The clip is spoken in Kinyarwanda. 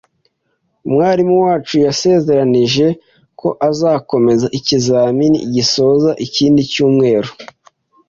Umwarimu wacu yasezeranije ko azakomeza ikizamini gisoza ikindi cyumweru.